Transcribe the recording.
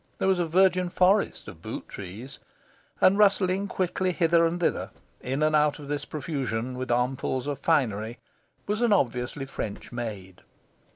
There was a virgin forest of boot trees. And rustling quickly hither and thither, in and out of this profusion, with armfuls of finery, was an obviously French maid.